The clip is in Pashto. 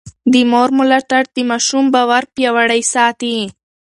د مور ملاتړ د ماشوم باور پياوړی ساتي.